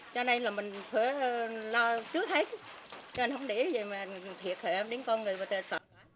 cho nên là mình phải lo trước hết cho nên không để gì mà thiệt hợp đến con người mà tệ sợ